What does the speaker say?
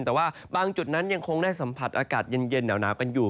แต่ว่าบางจุดนั้นยังคงได้สัมผัสอากาศเย็นหนาวกันอยู่